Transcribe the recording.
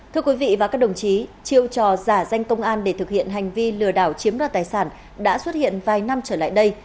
thưa quý vị và các đồng chí chiêu trò giả danh công an để thực hiện hành vi lừa đảo chiếm đoạt tài sản đã xuất hiện vài năm trở lại đây